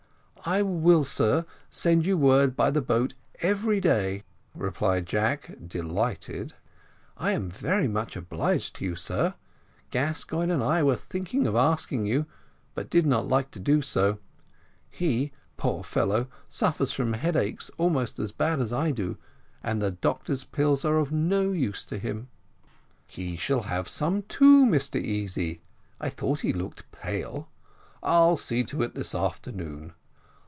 "I will, sir, send you word by the boat every day," replied Jack, delighted; "I am very much obliged to you, sir. Gascoigne and I were thinking of asking you, but did not like to do so: he, poor fellow, suffers from headaches almost as bad as I do, and the doctor's pills are of no use to him." "He shall have some, too, Mr Easy. I thought he looked pale. I'll see to it this afternoon.